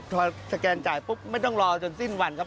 พอสแกนจ่ายปุ๊บไม่ต้องรอจนสิ้นวันครับ